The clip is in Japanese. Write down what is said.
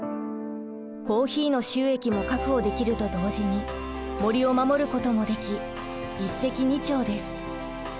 コーヒーの収益も確保できると同時に森を守ることもでき一石二鳥です。